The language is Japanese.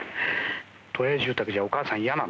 都営住宅じゃお母さん嫌なの？